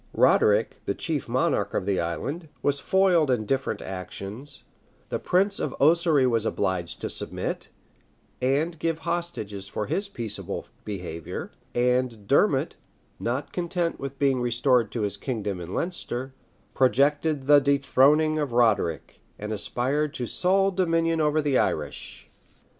Roderic, the chief monarch of the island, was foiled in different actions: the prince of Ossory was obliged to submit, and give hostages for his peaceable behavior; and Dermot, not content with being restored to his kingdom of Leinster, projected the dethroning of Roderic, and aspired to the sole dominion over the Irish.